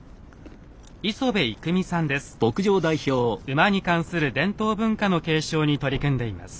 馬に関する伝統文化の継承に取り組んでいます。